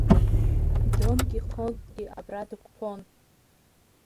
Дон Кихотгьы абра дықәԥон…